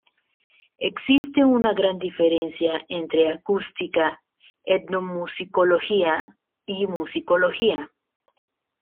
Existe una gran diferencia entre acústica, etnomusicología y musicología.